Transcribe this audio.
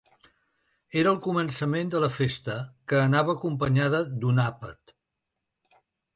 Era el començament de la festa, que anava acompanyada d’un àpat.